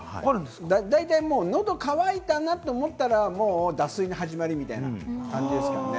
だいたい喉が渇いたなと思ったら、もう脱水の始まりみたいな感じですからね。